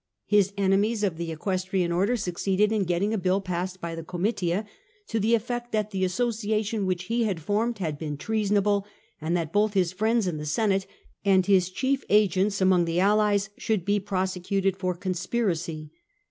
His enemies of the Equestrian Order succeeded in getting a bill passed by the Comitia to the effect that the associa tion which he had formed had been treasonable, and that both his friends in the Senate and his chief agents among the allies should be prosecuted for conspiracy.